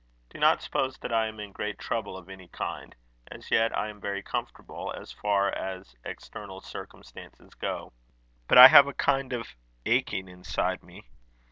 Do not suppose that I am in great trouble of any kind. As yet I am very comfortable, as far as external circumstances go. But I have a kind of aching inside me.